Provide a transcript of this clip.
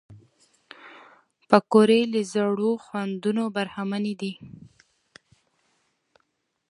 پکورې له زړو خوندونو برخمنې دي